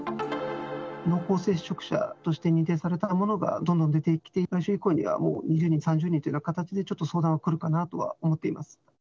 濃厚接触者としてにんていされた者がどんどん出てきて、来週以降にはもう２０人、３０人という形で、ちょっと相談来るかなとは思っています。